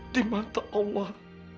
di mata allah